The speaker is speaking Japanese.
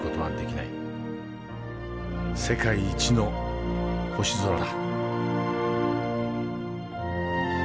世界一の星空だ。